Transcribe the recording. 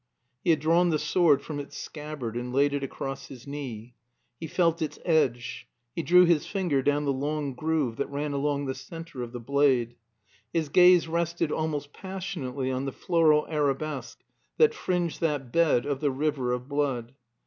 He had drawn the sword from its scabbard and laid it across his knee. He felt its edge; he drew his finger down the long groove that ran along the center of the blade; his gaze rested almost passionately on the floral arabesque that fringed that bed of the river of blood.